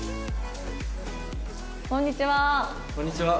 こんにちは。